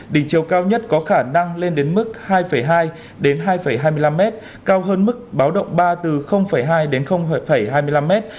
đỉnh chiều cao nhất có khả năng lên đến mức hai hai đến hai hai mươi năm mét cao hơn mức báo động ba từ hai đến hai mươi năm mét